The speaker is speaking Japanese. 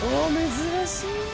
珍しい。